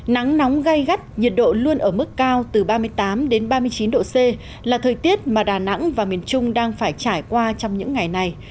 nắng nóng gây gắt nhiệt độ luôn ở mức cao từ ba mươi tám đến ba mươi chín độ c là thời tiết mà đà nẵng và miền trung đang phải trải qua trong những ngày này